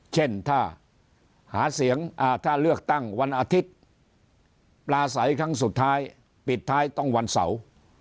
เช่นถ้าหาเสียงถ้าเลือกตั้งวันอาทิตย์ปลาใสครั้งสุดท้ายปิดท้ายต้องวันเสาร์